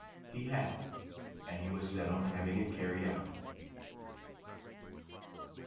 He had it, and he was set on having it carried out.